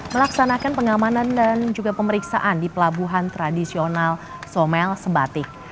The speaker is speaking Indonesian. melaksanakan pengamanan dan juga pemeriksaan di pelabuhan tradisional somel sebatik